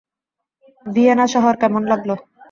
Vienna শহর কেমন লাগল?